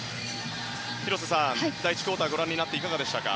広瀬さん、第１クオーターご覧になっていかがでしたか？